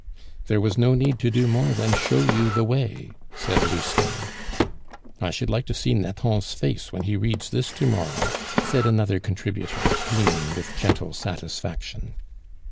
"There was no need to do more than show you the way," said Lousteau. "I should like to see Nathan's face when he reads this to morrow," said another contributor, beaming with gentle satisfaction.